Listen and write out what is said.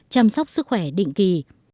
chăm sóc sức khỏe định kỳ